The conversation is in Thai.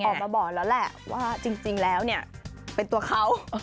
ออกมาบอกแล้วแหละว่าจริงแล้วเนี่ยเป็นตัวเขา